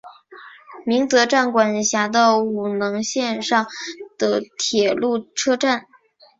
鸣泽站管辖的五能线上的铁路车站。